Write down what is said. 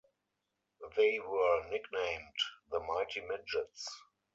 They were nicknamed the "Mighty Midgets".